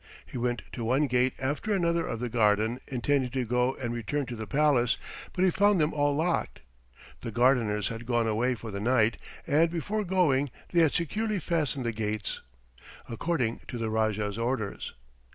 He went to one gate after another of the garden, intending to go and return to the palace, but he found them all locked. The gardeners had gone away for the night, and before going they had securely fastened the gates, according to the Rajah's orders.